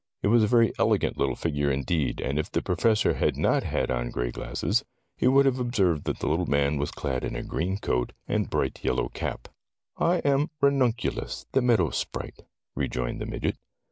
He was a very elegant little figure, indeed, and if the Professor had not had on gray glasses, he would have observed that the little man was clad in a green coat and bright yellow cap. "I am Ranunculus, the Meadow Sprite,'' rejoined the midget.